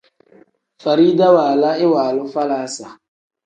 Farida waala iwaalu falaasa.